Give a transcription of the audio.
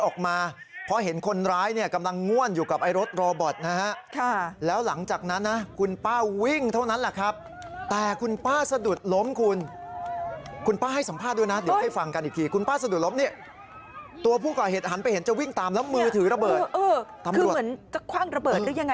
คือเหมือนขว้างระเบิดหรือยังไงได้ไหมครับ